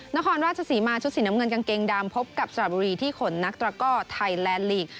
นครราชศรีมาชุดสีน้ำเงินกางเกงดำพบกับสระบุรีที่ขนนักตระก้อไทยแลนดลีก